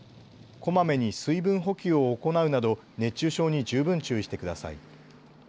こまめに水分補給を行うなど熱中症に十分注意してください。